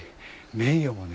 名誉もね